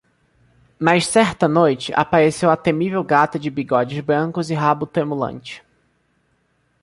Mas certa noite apareceu a temível gata de bigodes brancos e rabo tremulante